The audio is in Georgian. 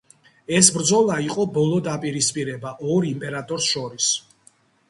ეს ბრძოლა იყო ბოლო დაპირისპირება ორ იმპერატორს შორის.